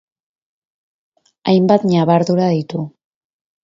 Hainbat ñabardura ditu.